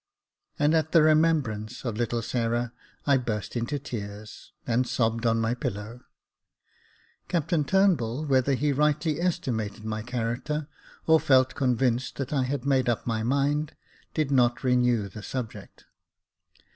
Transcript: And at the remembrance of little Sarah, I burst into tears, and sobbed on my pillow. Captain Turnbull, whether he rightly estimated my character, or felt convinced that I had made up my mind, did not renew the subject.